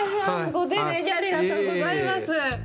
ご丁寧にありがとうございます。